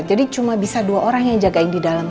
jadi cuma bisa dua orang yang jagain di dalam